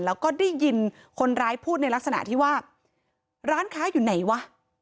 แล้วก็ได้ยินคนร้ายพูดในลักษณะที่ว่าร้านค้าอยู่ไหนวะ